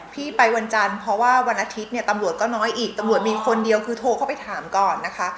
พี่ไปวันจันทร์เพราะว่าวันอาทิตย์เนี่ยตำรวจก็น้อยอีกตำรวจมีคนเดียวคือโทรเข้าไปถามก่อนนะคะ